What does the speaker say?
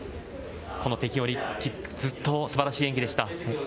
この北京オリンピック、ずっとすばらしい演技でした。